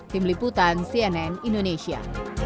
tim liputan cnn indonesia